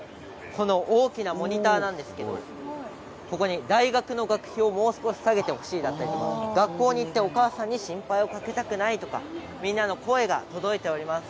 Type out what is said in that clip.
この大きなモニターなんですけどここに大学の学費をもう少し下げてほしいだったり学校に行ってお母さんに心配をかけたくないとかみんなの声が届いております。